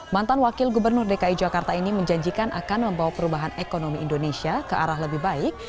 mantan wakil gubernur dki jakarta ini menjanjikan akan membawa perubahan ekonomi indonesia ke arah lebih baik